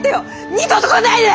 二度と来ないで！